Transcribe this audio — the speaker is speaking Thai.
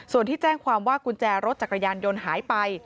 ส่วนที่แจ้งความว่ากุญแจรถจักรยานยนต์หายไป